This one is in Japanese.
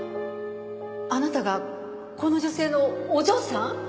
あなたがこの女性のお嬢さん？